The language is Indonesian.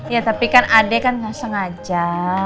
ya tapi kan adek kan ga sengaja